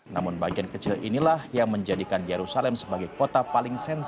namun bagian kecil inilah yang menjadikan yerusalem sebagai kota paling sensitif